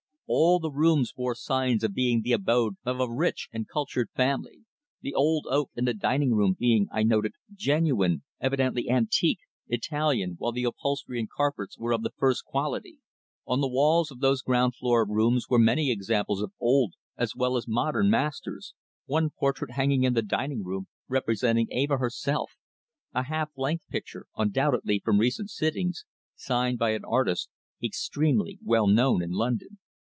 All the rooms bore signs of being the abode of a rich and cultured family, the old oak in the dining room being, I noted, genuine, evidently antique, Italian, while the upholstery and carpets were of the first quality. On the walls of those ground floor rooms were many examples of old as well as modern masters, one portrait hanging in the dining room representing Eva herself, a half length picture, undoubtedly from recent sittings, signed by an artist extremely well known in London.